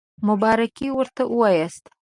مبارکي ورته ووایاست.